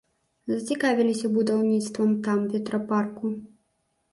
Зацікавіліся будаўніцтвам там ветрапарку.